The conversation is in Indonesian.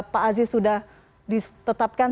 pak aziz sudah ditetapkan